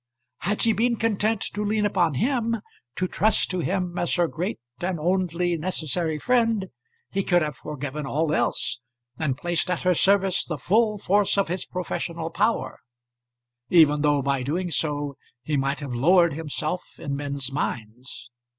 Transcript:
Had she been content to lean upon him, to trust to him as her great and only necessary friend, he could have forgiven all else, and placed at her service the full force of his professional power, even though by doing so he might have lowered himself in men's minds.